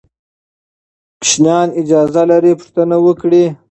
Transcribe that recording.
ماشومان اجازه لري پوښتنه وکړي.